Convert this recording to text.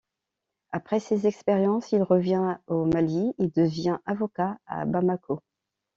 Après ces expériences, il revient au Mali et devient avocat, à Bamako.